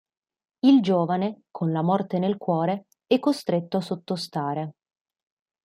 Il giovane, con la morte nel cuore, è costretto a sottostare.